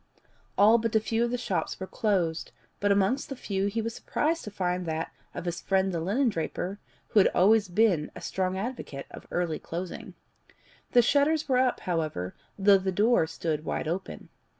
All but a few of the shops were closed, but amongst the few he was surprised to find that of his friend the linendraper, who had always been a strong advocate of early closing. The shutters were up, however, though the door stood wide open.